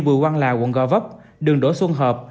bùi quang lào quận gò vấp đường đỗ xuân hợp